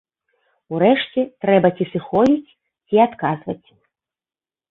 Урэшце трэба ці сыходзіць, ці адказваць.